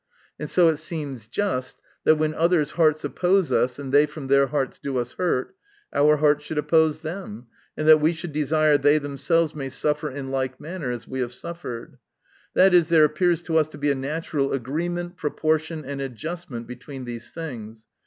And so it seems just, that when others' hearts oppose us, and they from their hearts do us hurt, our hearts should oppose them, and that we should desire they themselves may suffer in like man ner as we have suffered ; i. e., there appears to us to be a natural agreement, proportion, and adjustment between these things.